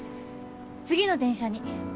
次の電車に。